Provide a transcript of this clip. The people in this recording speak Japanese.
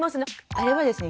あれはですね